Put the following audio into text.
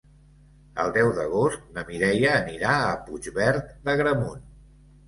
El deu d'agost na Mireia anirà a Puigverd d'Agramunt.